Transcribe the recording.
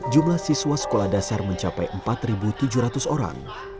jumlah siswa sekolah dasar mencapai empat tujuh ratus orang